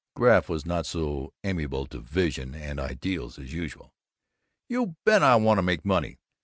Graff was not so amenable to Vision and Ideals as usual. "You bet I want to make money!